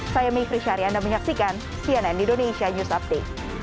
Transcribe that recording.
saya mevri syari anda menyaksikan cnn indonesia news update